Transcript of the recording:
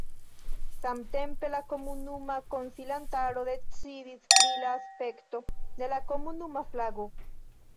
Samtempe la komunuma konsilantaro decidis pri la aspekto de la komunuma flago.